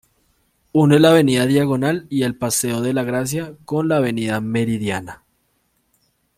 Une la avenida Diagonal y el paseo de Gracia con la avenida Meridiana.